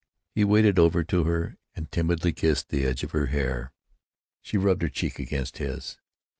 He waded over to her and timidly kissed the edge of her hair. She rubbed her cheek against his.